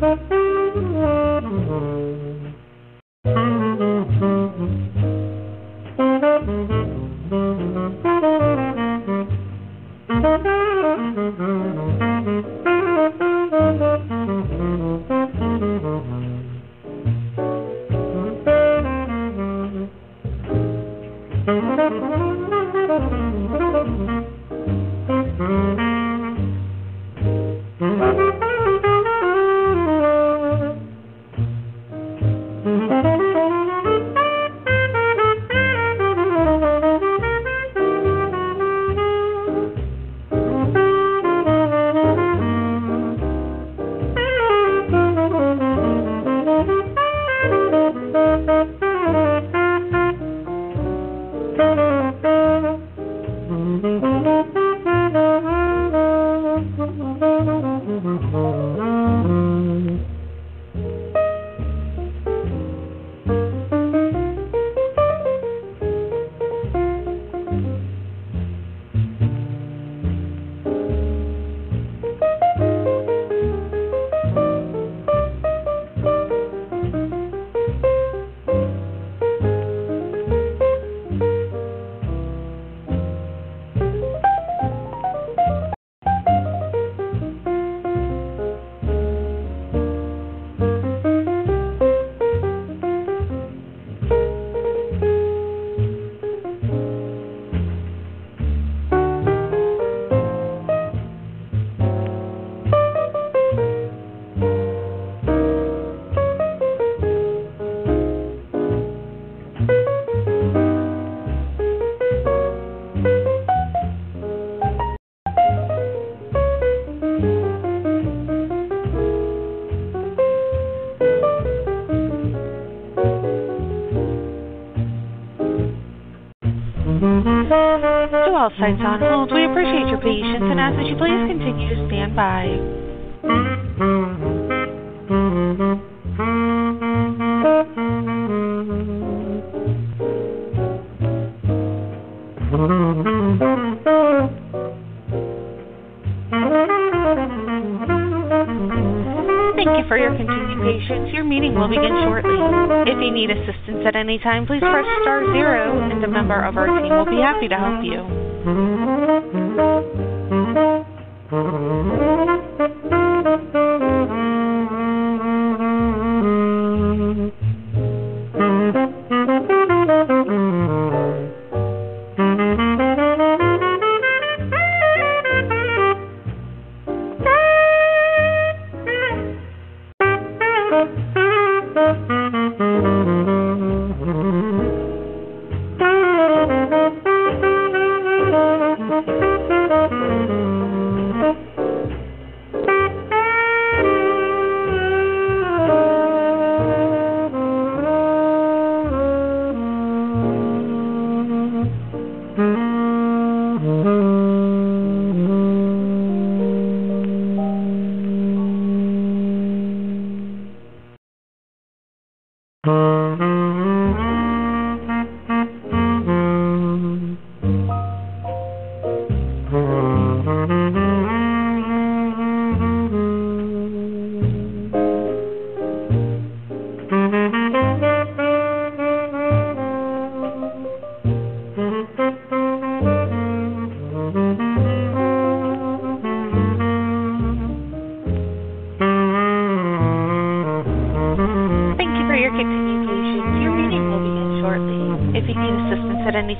Thank you for your continued patience. Your meeting will begin shortly. If you need assistance at any time, please press star zero and a member of our team will be happy to help you.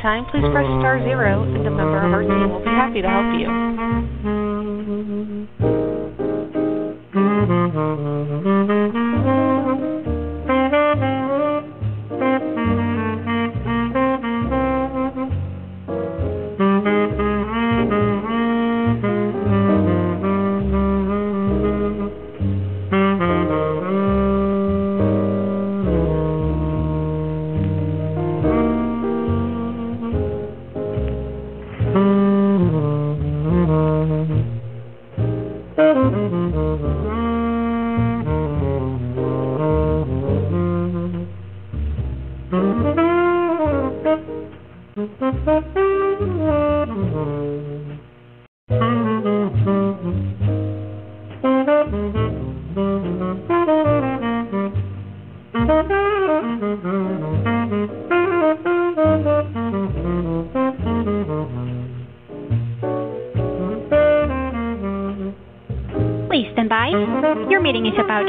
Please stand by. Your meeting is about to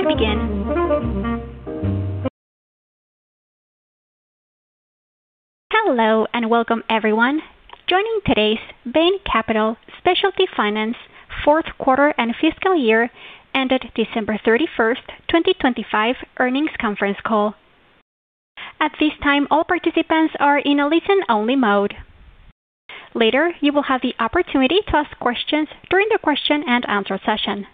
begin. Hello, welcome everyone joining today's Bain Capital Specialty Finance fourth quarter and fiscal year, ended December thirty-first, 2025, earnings conference call. At this time, all participants are in a listen-only mode. Later, you will have the opportunity to ask questions during the question-and-answer session.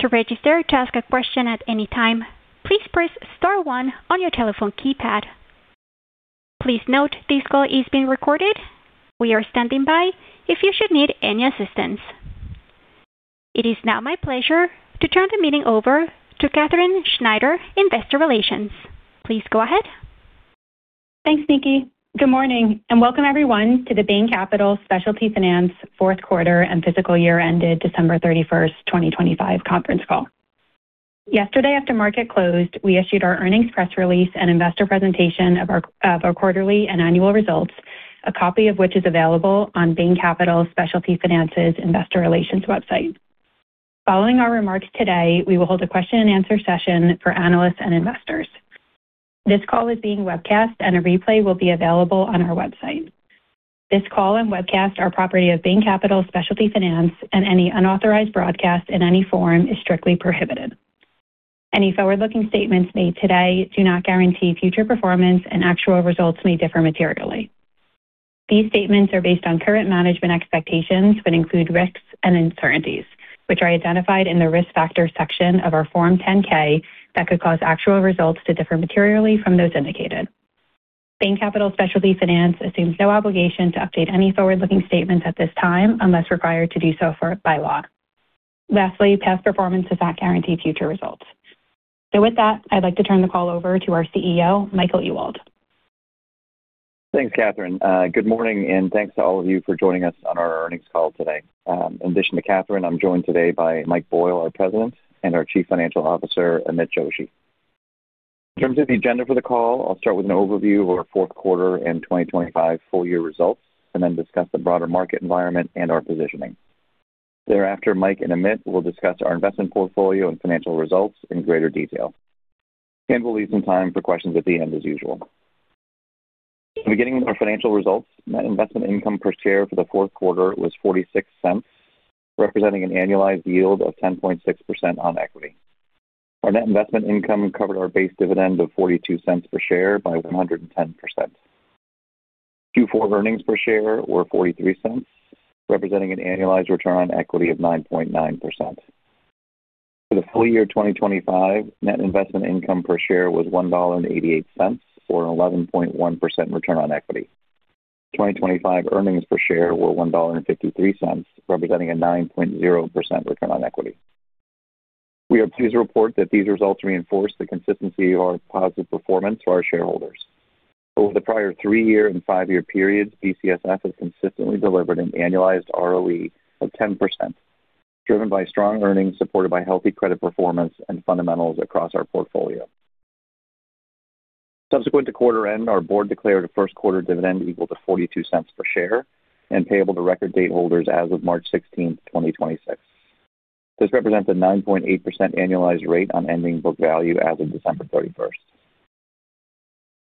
To register to ask a question at any time, please press star one on your telephone keypad. Please note, this call is being recorded. We are standing by if you should need any assistance. It is now my pleasure to turn the meeting over to Katherine Schneider, Investor Relations. Please go ahead. Thanks, Nikki. Good morning. Welcome everyone to the Bain Capital Specialty Finance fourth quarter and fiscal year ended December 31st, 2025 conference call. Yesterday, after market closed, we issued our earnings press release and investor presentation of our quarterly and annual results, a copy of which is available on Bain Capital Specialty Finance's Investor Relations website. Following our remarks today, we will hold a question-and-answer session for analysts and investors. This call is being webcast, and a replay will be available on our website. This call and webcast are property of Bain Capital Specialty Finance, and any unauthorized broadcast in any form is strictly prohibited. Any forward-looking statements made today do not guarantee future performance, and actual results may differ materially. These statements are based on current management expectations but include risks and uncertainties, which are identified in the Risk Factors section of our Form 10-K, that could cause actual results to differ materially from those indicated. Bain Capital Specialty Finance assumes no obligation to update any forward-looking statements at this time unless required to do so for by law. Lastly, past performance does not guarantee future results. With that, I'd like to turn the call over to our CEO, Michael Ewald. Thanks, Catherine. Good morning, and thanks to all of you for joining us on our earnings call today. In addition to Catherine, I'm joined today by Mike Boyle, our President, and our Chief Financial Officer, Amit Joshi. In terms of the agenda for the call, I'll start with an overview of our fourth quarter and 2025 full year results, and then discuss the broader market environment and our positioning. Thereafter, Mike and Amit will discuss our investment portfolio and financial results in greater detail. We'll leave some time for questions at the end, as usual. Beginning with our financial results, net investment income per share for the fourth quarter was $0.46, representing an annualized yield of 10.6% on equity. Our net investment income covered our base dividend of $0.42 per share by 110%. Q4 earnings per share were $0.43, representing an annualized return on equity of 9.9%. For the full year 2025, net investment income per share was $1.88, or 11.1% return on equity. 2025 earnings per share were $1.53, representing a 9.0% return on equity. We are pleased to report that these results reinforce the consistency of our positive performance to our shareholders. Over the prior three-year and five-year periods, BCSF has consistently delivered an annualized ROE of 10%, driven by strong earnings, supported by healthy credit performance and fundamentals across our portfolio. Subsequent to quarter end, our board declared a first quarter dividend equal to $0.42 per share and payable to record date holders as of March 16, 2026. This represents a 9.8% annualized rate on ending book value as of December 31st.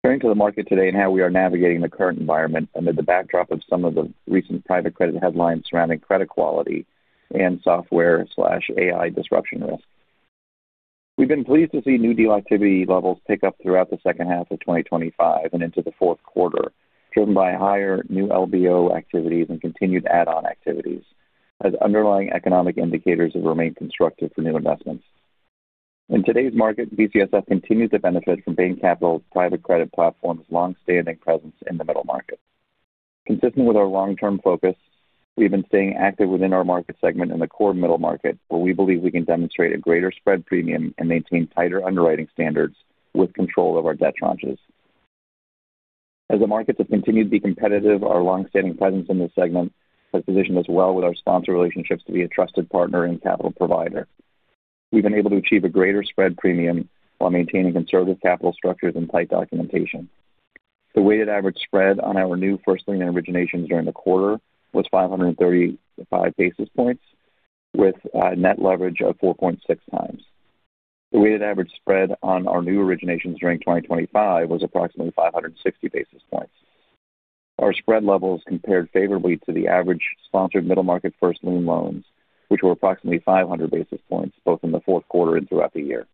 Turning to the market today and how we are navigating the current environment under the backdrop of some of the recent private credit headlines surrounding credit quality and software/AI disruption risk. We've been pleased to see new deal activity levels pick up throughout the second half of 2025 and into the fourth quarter, driven by higher new LBO activities and continued add-on activities, as underlying economic indicators have remained constructive for new investments. In today's market, BCSF continues to benefit from Bain Capital's private credit platform's long-standing presence in the middle market. Consistent with our long-term focus, we've been staying active within our market segment in the core middle market, where we believe we can demonstrate a greater spread premium and maintain tighter underwriting standards with control of our debt tranches. The markets have continued to be competitive, our long-standing presence in this segment has positioned us well with our sponsor relationships to be a trusted partner and capital provider. We've been able to achieve a greater spread premium while maintaining conservative capital structures and tight documentation. The weighted average spread on our new first lien originations during the quarter was 535 basis points, with a net leverage of 4.6x. The weighted average spread on our new originations during 2025 was approximately 560 basis points. Our spread levels compared favorably to the average sponsored middle market first lien loans, which were approximately 500 basis points, both in the fourth quarter and throughout the year.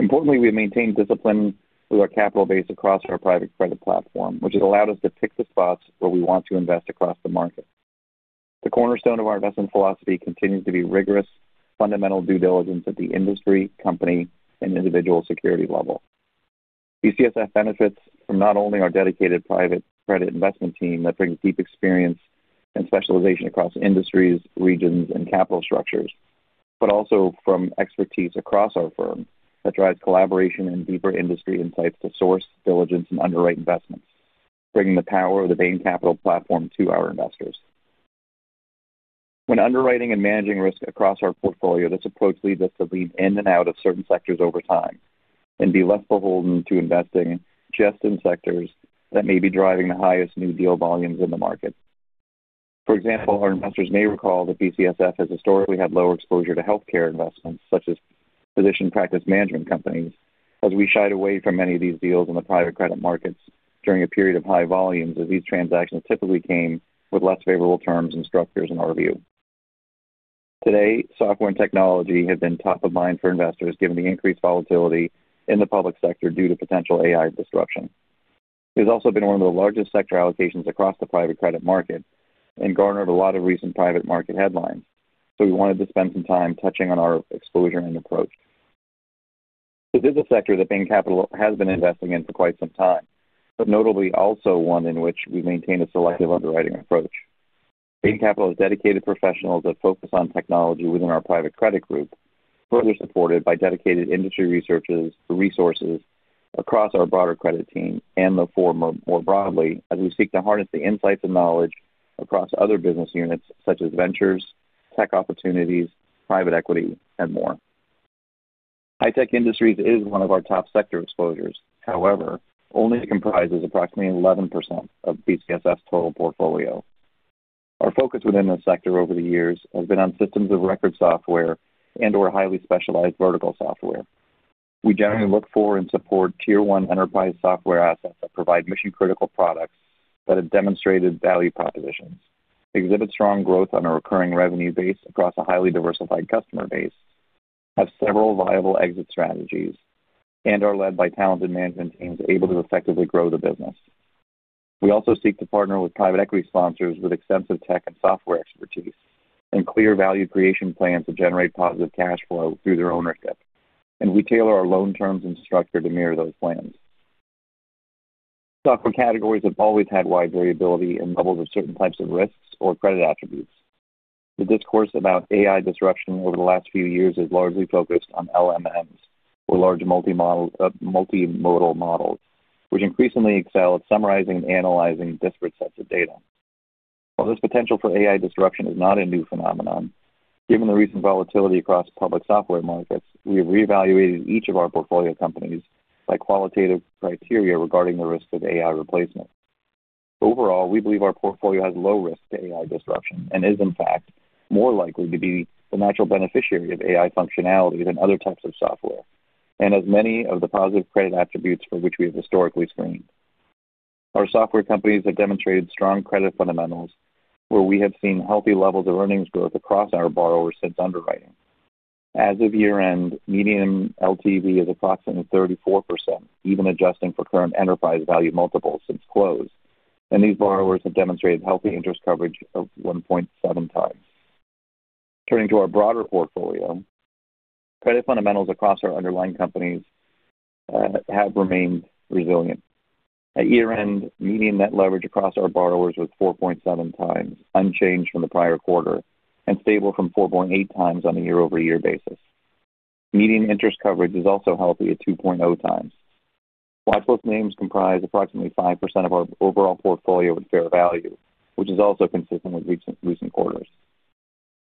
Importantly, we've maintained discipline with our capital base across our private credit platform, which has allowed us to pick the spots where we want to invest across the market. The cornerstone of our investment philosophy continues to be rigorous fundamental due diligence at the industry, company, and individual security level. BCSF benefits from not only our dedicated private credit investment team that brings deep experience and specialization across industries, regions, and capital structures, but also from expertise across our firm that drives collaboration and deeper industry insights to source, diligence, and underwrite investments, bringing the power of the Bain Capital platform to our investors. When underwriting and managing risk across our portfolio, this approach leads us to lean in and out of certain sectors over time and be less beholden to investing just in sectors that may be driving the highest new deal volumes in the market. For example, our investors may recall that BCSF has historically had lower exposure to healthcare investments, such as physician practice management companies, as we shied away from many of these deals in the private credit markets during a period of high volumes, as these transactions typically came with less favorable terms and structures in our view. Today, software and technology have been top of mind for investors, given the increased volatility in the public sector due to potential AI disruption. It has also been one of the largest sector allocations across the private credit market and garnered a lot of recent private market headlines. We wanted to spend some time touching on our exposure and approach. This is a sector that Bain Capital has been investing in for quite some time. Notably also one in which we maintain a selective underwriting approach. Bain Capital has dedicated professionals that focus on technology within our private credit group, further supported by dedicated industry resources across our broader credit team and the firm more broadly, as we seek to harness the insights and knowledge across other business units such as ventures, tech opportunities, private equity, and more. High-tech industries is one of our top sector exposures. Only it comprises approximately 11% of BCSF's total portfolio. Our focus within this sector over the years has been on systems of record software and/or highly specialized vertical software. We generally look for and support tier one enterprise software assets that provide mission-critical products that have demonstrated value propositions, exhibit strong growth on a recurring revenue base across a highly diversified customer base, have several viable exit strategies, and are led by talented management teams able to effectively grow the business. We also seek to partner with private equity sponsors with extensive tech and software expertise and clear value creation plans to generate positive cash flow through their ownership, and we tailor our loan terms and structure to mirror those plans. Software categories have always had wide variability in levels of certain types of risks or credit attributes. The discourse about AI disruption over the last few years has largely focused on LMMs, or large multi-model, multimodal models, which increasingly excel at summarizing and analyzing disparate sets of data. While this potential for AI disruption is not a new phenomenon, given the recent volatility across public software markets, we have reevaluated each of our portfolio companies by qualitative criteria regarding the risk of AI replacement. We believe our portfolio has low risk to AI disruption and is in fact more likely to be the natural beneficiary of AI functionality than other types of software, and has many of the positive credit attributes for which we have historically screened. Our software companies have demonstrated strong credit fundamentals, where we have seen healthy levels of earnings growth across our borrowers since underwriting. As of year-end, median LTV is approximately 34%, even adjusting for current enterprise value multiples since close, and these borrowers have demonstrated healthy interest coverage of 1.7x. Turning to our broader portfolio, credit fundamentals across our underlying companies have remained resilient. At year-end, median net leverage across our borrowers was 4.7x, unchanged from the prior quarter and stable from 4.8x on a year-over-year basis. Median interest coverage is also healthy at 2.0x. Watch list names comprise approximately 5% of our overall portfolio with fair value, which is also consistent with recent quarters.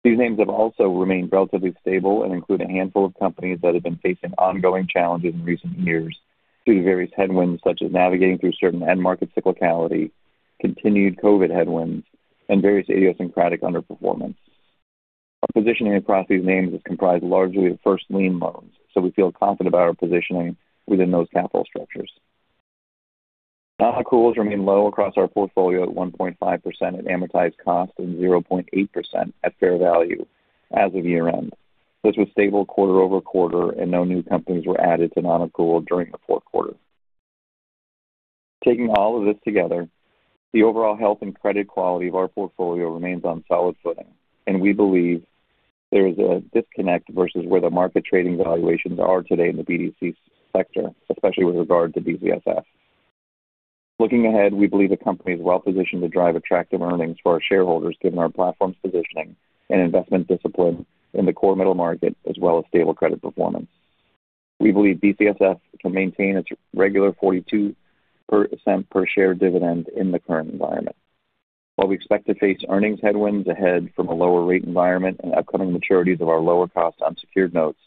These names have also remained relatively stable and include a handful of companies that have been facing ongoing challenges in recent years due to various headwinds, such as navigating through certain end-market cyclicality, continued COVID headwinds, and various idiosyncratic underperformance. Our positioning across these names is comprised largely of first lien loans, so we feel confident about our positioning within those capital structures. Non-accruals remain low across our portfolio at 1.5% at amortized cost and 0.8% at fair value as of year-end. This was stable quarter-over-quarter, no new companies were added to non-accrual during the fourth quarter. Taking all of this together, the overall health and credit quality of our portfolio remains on solid footing, and we believe there is a disconnect versus where the market trading valuations are today in the BDC sector, especially with regard to BCSF. Looking ahead, we believe the company is well positioned to drive attractive earnings for our shareholders, given our platform's positioning and investment discipline in the core middle market, as well as stable credit performance. We believe BCSF can maintain its regular 42% per share dividend in the current environment. While we expect to face earnings headwinds ahead from a lower rate environment and upcoming maturities of our lower cost unsecured notes,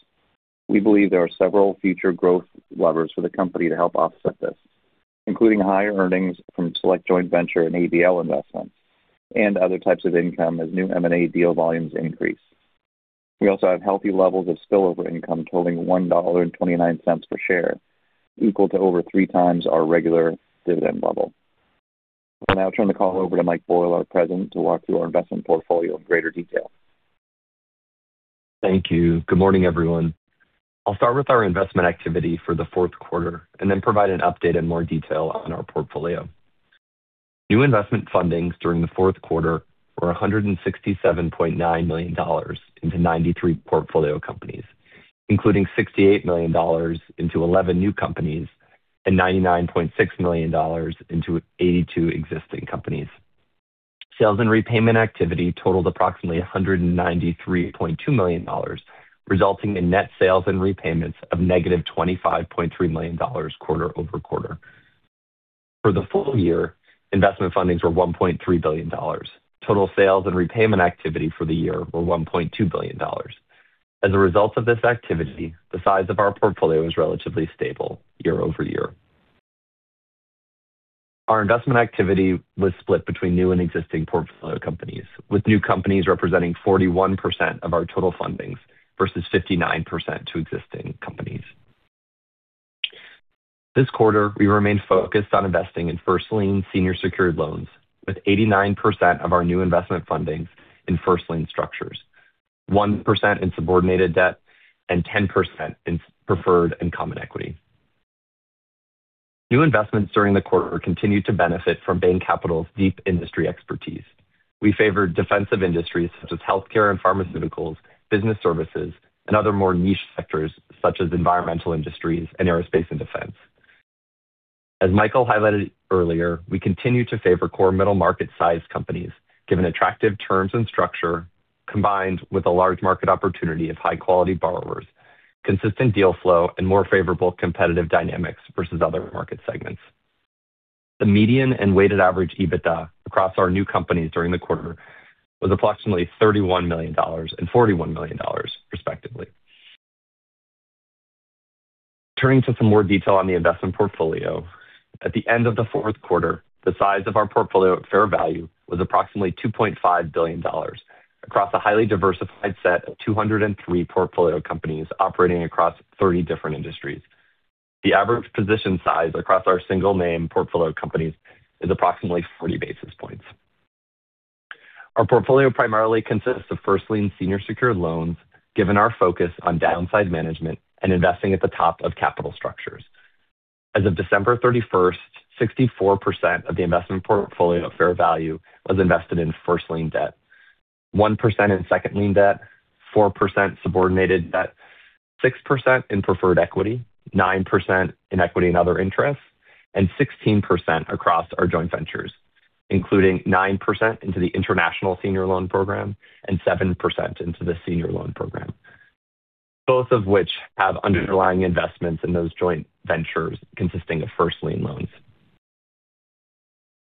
we believe there are several future growth levers for the company to help offset this, including higher earnings from select joint venture and ABL investments and other types of income as new M&A deal volumes increase. We also have healthy levels of spillover income totaling $1.29 per share, equal to over 3x our regular dividend level. I'll now turn the call over to Mike Boyle, our president, to walk through our investment portfolio in greater detail. Thank you. Good morning, everyone. I'll start with our investment activity for the fourth quarter and then provide an update in more detail on our portfolio. New investment fundings during the fourth quarter were $167.9 million into 93 portfolio companies, including $68 million into 11 new companies and $99.6 million into 82 existing companies. Sales and repayment activity totaled approximately $193.2 million, resulting in net sales and repayments of negative $25.3 million quarter-over-quarter. For the full year, investment fundings were $1.3 billion. Total sales and repayment activity for the year were $1.2 billion. As a result of this activity, the size of our portfolio is relatively stable year-over-year. Our investment activity was split between new and existing portfolio companies, with new companies representing 41% of our total fundings versus 59% to existing companies. This quarter, we remained focused on investing in first lien senior secured loans, with 89% of our new investment fundings in first lien structures, 1% in subordinated debt, and 10% in preferred and common equity. New investments during the quarter continued to benefit from Bain Capital's deep industry expertise. We favored defensive industries such as healthcare and pharmaceuticals, business services, and other more niche sectors, such as environmental industries and aerospace and defense. As Michael highlighted earlier, we continue to favor core middle market size companies, given attractive terms and structure, combined with a large market opportunity of high-quality borrowers, consistent deal flow, and more favorable competitive dynamics versus other market segments. The median and weighted average EBITDA across our new companies during the quarter was approximately $31 million and $41 million, respectively. Turning to some more detail on the investment portfolio. At the end of the fourth quarter, the size of our portfolio at fair value was approximately $2.5 billion across a highly diversified set of 203 portfolio companies operating across 30 different industries. The average position size across our single-name portfolio companies is approximately 40 basis points. Our portfolio primarily consists of first lien senior secured loans, given our focus on downside management and investing at the top of capital structures. As of December 31, 64% of the investment portfolio fair value was invested in first lien debt, 1% in second lien debt, 4% subordinated debt, 6% in preferred equity, 9% in equity and other interests, and 16% across our joint ventures, including 9% into the International Senior Loan Program and 7% into the Senior Loan Program, both of which have underlying investments in those joint ventures consisting of first lien loans.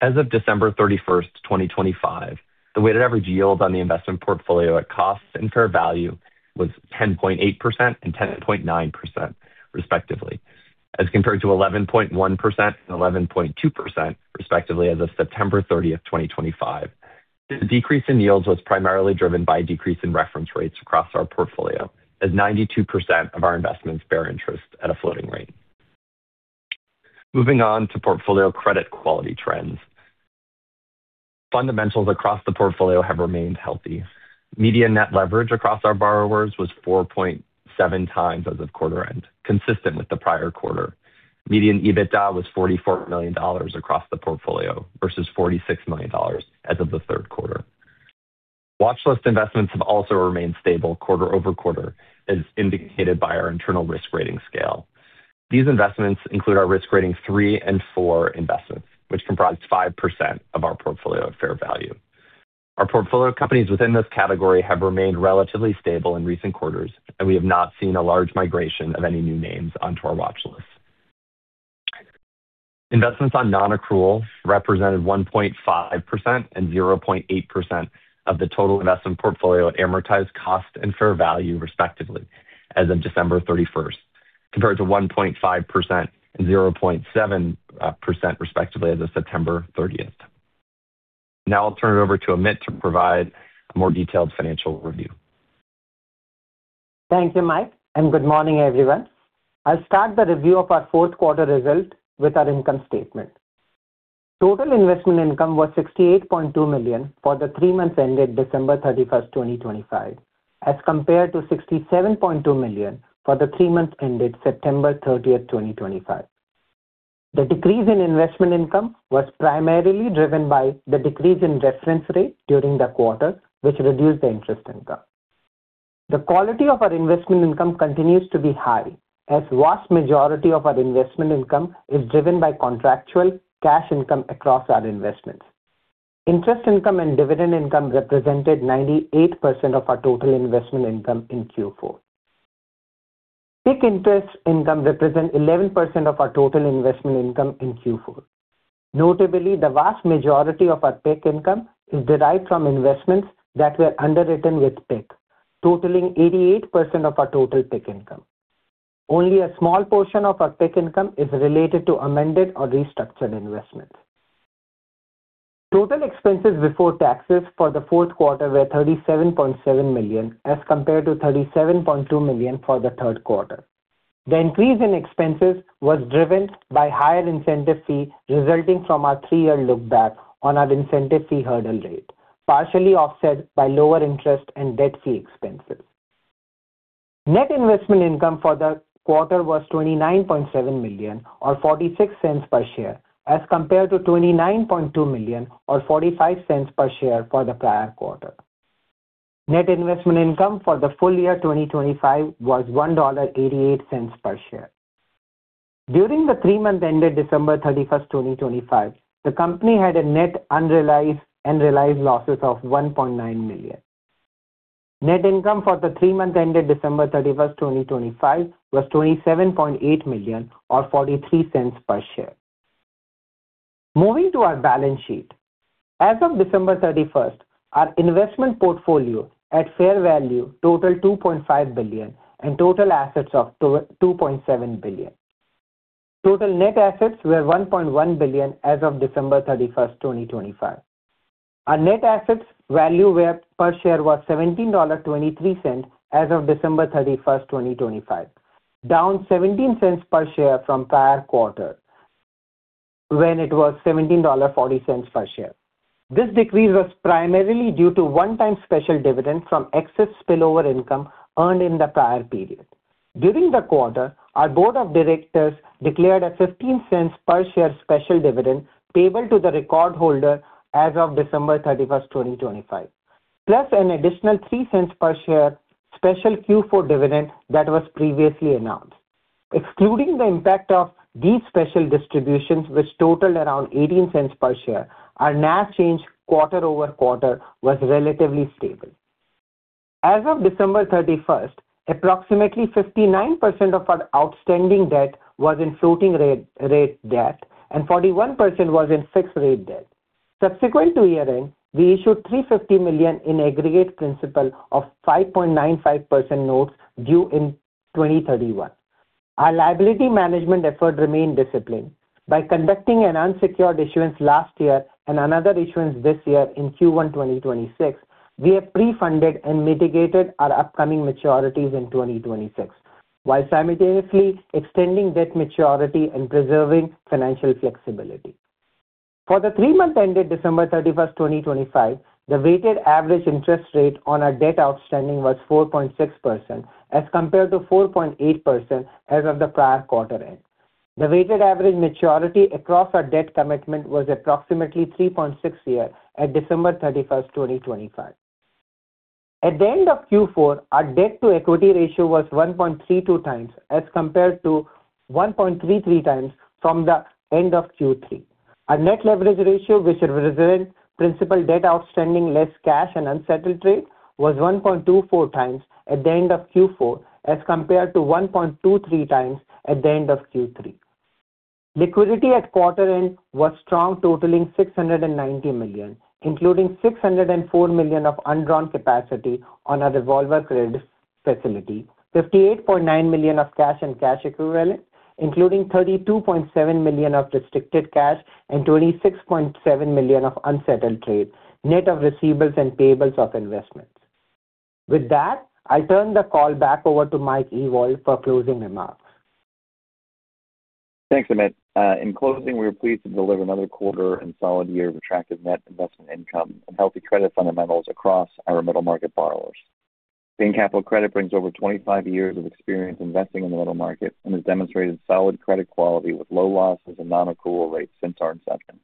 As of December 31, 2025, the weighted average yield on the investment portfolio at cost and fair value was 10.8% and 10.9%, respectively, as compared to 11.1% and 11.2%, respectively, as of September 30, 2025. The decrease in yields was primarily driven by a decrease in reference rates across our portfolio, as 92% of our investments bear interest at a floating rate. Moving on to portfolio credit quality trends. Fundamentals across the portfolio have remained healthy. Median net leverage across our borrowers was 4.7x as of quarter end, consistent with the prior quarter. Median EBITDA was $44 million across the portfolio, versus $46 million as of the third quarter. Watch list investments have also remained stable quarter-over-quarter, as indicated by our internal risk rating scale. These investments include our risk rating 3 and 4 investments, which comprise 5% of our portfolio at fair value. Our portfolio companies within this category have remained relatively stable in recent quarters, and we have not seen a large migration of any new names onto our watch list. Investments on non-accrual represented 1.5% and 0.8% of the total investment portfolio at amortized cost and fair value, respectively, as of December 31st, compared to 1.5% and 0.7%, respectively, as of September 30th. I'll turn it over to Amit to provide a more detailed financial review. Thank you, Mike, good morning, everyone. I'll start the review of our fourth quarter result with our income statement. Total investment income was $68.2 million for the three months ended December 31, 2025, as compared to $67.2 million for the three months ended September 30, 2025. The decrease in investment income was primarily driven by the decrease in reference rate during the quarter, which reduced the interest income. The quality of our investment income continues to be high, as vast majority of our investment income is driven by contractual cash income across our investments. Interest income and dividend income represented 98% of our total investment income in Q4. PIK interest income represent 11% of our total investment income in Q4. Notably, the vast majority of our PIK income is derived from investments that were underwritten with PIK, totaling 88% of our total PIK income. Only a small portion of our PIK income is related to amended or restructured investments. Total expenses before taxes for the fourth quarter were $37.7 million, as compared to $37.2 million for the third quarter. The increase in expenses was driven by higher incentive fee, resulting from our 3-year look back on our incentive fee hurdle rate, partially offset by lower interest and debt fee expenses. Net investment income for the quarter was $29.7 million, or $0.46 per share, as compared to $29.2 million, or $0.45 per share for the prior quarter. Net investment income for the full year 2025 was $1.88 per share. During the three months ended December 31st, 2025, the company had a net unrealized and realized losses of $1.9 million. Net income for the 3 months ended December 31st, 2025, was $27.8 million, or $0.43 per share. Moving to our balance sheet. As of December 31st, our investment portfolio at fair value totaled $2.5 billion and total assets of $2.7 billion. Total net assets were $1.1 billion as of December 31st, 2025. Our net assets value were per share was $17.23 as of December 31st, 2025, down $0.17 per share from prior quarter, when it was $17.40 per share. This decrease was primarily due to one-time special dividend from excess spillover income earned in the prior period. During the quarter, our board of directors declared a $0.15 per share special dividend payable to the record holder as of December 31st, 2025, plus an additional $0.03 per share special Q4 dividend that was previously announced. Excluding the impact of these special distributions, which totaled around $0.18 per share, our NAV change quarter-over-quarter was relatively stable. As of December 31st, approximately 59% of our outstanding debt was in floating rate debt, and 41% was in fixed-rate debt. Subsequent to year-end, we issued $350 million in aggregate principal of 5.95% notes due in 2031. Our liability management effort remained disciplined. By conducting an unsecured issuance last year and another issuance this year in Q1 2026, we have pre-funded and mitigated our upcoming maturities in 2026, while simultaneously extending debt maturity and preserving financial flexibility. For the three months ended December 31st, 2025, the weighted average interest rate on our debt outstanding was 4.6%, as compared to 4.8% as of the prior quarter end. The weighted average maturity across our debt commitment was approximately three point six years at December 31st, 2025. At the end of Q4, our debt-to-equity ratio was 1.32x, as compared to 1.33x from the end of Q3. Our net leverage ratio, which is resident principal debt outstanding, less cash and unsettled trade, was 1.24x at the end of Q4, as compared to 1.23x at the end of Q3. Liquidity at quarter end was strong, totaling $690 million, including $604 million of undrawn capacity on our revolver credit facility. $58.9 million of cash and cash equivalents, including $32.7 million of restricted cash and $26.7 million of unsettled trade, net of receivables and payables of investments. With that, I turn the call back over to Michael Ewald for closing remarks. Thanks, Amit. In closing, we are pleased to deliver another quarter and solid year of attractive net investment income and healthy credit fundamentals across our middle-market borrowers. Bain Capital Credit brings over 25 years of experience investing in the middle market and has demonstrated solid credit quality with low losses and non-accrual rates since our inception.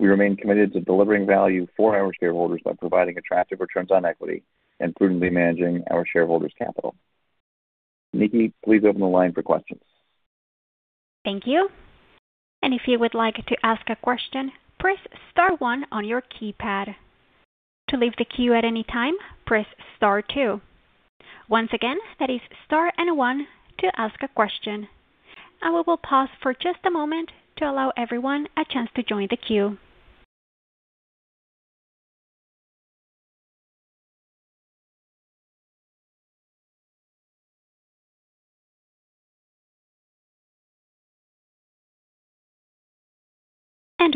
We remain committed to delivering value for our shareholders by providing attractive returns on equity and prudently managing our shareholders' capital. Nikki, please open the line for questions. Thank you. If you would like to ask a question, press star one on your keypad. To leave the queue at any time, press star two. Once again, that is star and one to ask a question. We will pause for just a moment to allow everyone a chance to join the queue.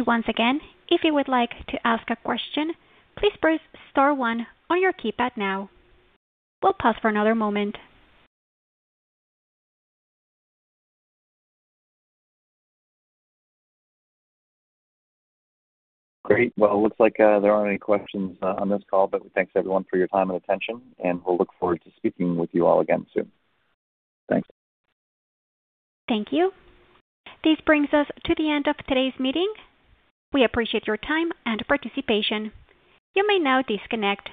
Once again, if you would like to ask a question, please press star one on your keypad now. We'll pause for another moment. Great. Well, it looks like there aren't any questions on this call. We thanks, everyone, for your time and attention. We'll look forward to speaking with you all again soon. Thanks. Thank you. This brings us to the end of today's meeting. We appreciate your time and participation. You may now disconnect.